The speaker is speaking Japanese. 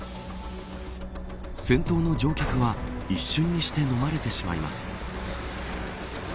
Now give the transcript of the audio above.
先頭の乗客は一瞬にしてのまれてしまいます。